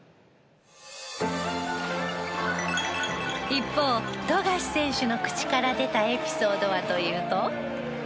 一方富樫選手の口から出たエピソードはというと。